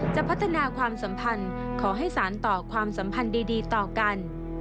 จะพัฒนาความสัมพันธ์ขอให้สารต่อความสัมพันธ์ดีต่อกัน